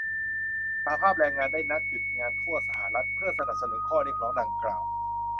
สหภาพแรงงานได้นัดหยุดงานทั่วสหรัฐ เพื่อสนับสนุนข้อเรียกร้องดังกล่าว